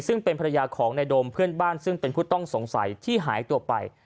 ซึ่งเป็นภรรยาของนายโดมเพื่อนบ้านซึ่งเป็นผู้ต้องสงสัยที่หายตัวไป